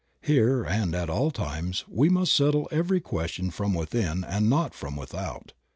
Here and at all times we must settle every question from within and not from without.